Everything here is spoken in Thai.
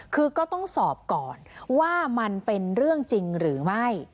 คือก็ต้องสอบก่อนว่ามันเป็นเรื่องจริงหรือไม่